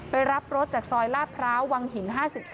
รับรถจากซอยลาดพร้าววังหิน๕๒